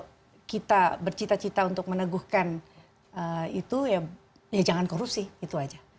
kalau kita bercita cita untuk meneguhkan itu ya jangan korupsi itu aja